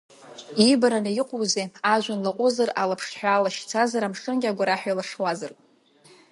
Иибараны иҟоузеи, ажәҩан лаҟәызар, алаԥшҳәаа лашьцазар, амшынгьы агәараҳәа еилашуазар!